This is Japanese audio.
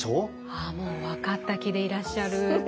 ああもう分かった気でいらっしゃる？